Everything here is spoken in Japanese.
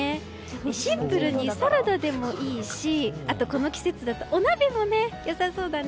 シンプルにサラダでもいいしあと、この季節だとお鍋も良さそうだね。